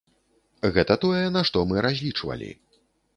Гэта тое, на што мы разлічвалі.